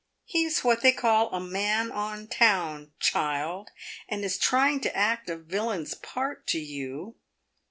He is what they call a man on town, child, and is trying to act a villain's part to you.